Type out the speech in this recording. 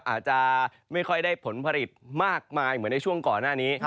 อาจจะไม่ค่อยได้ผลผลิตมากมายเหมือนในช่วงก่อนหน้านี้